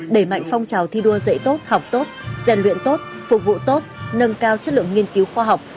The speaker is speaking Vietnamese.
đẩy mạnh phong trào thi đua dạy tốt học tốt gian luyện tốt phục vụ tốt nâng cao chất lượng nghiên cứu khoa học